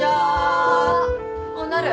おっなる。